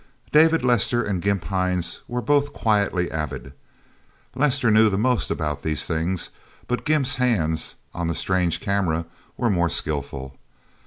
David Lester and Gimp Hines were both quietly avid. Lester knew the most about these things, but Gimp's hands, on the strange camera, were more skillful.